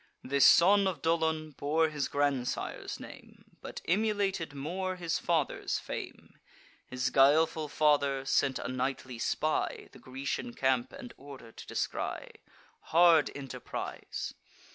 This son of Dolon bore his grandsire's name, But emulated more his father's fame; His guileful father, sent a nightly spy, The Grecian camp and order to descry: Hard enterprise!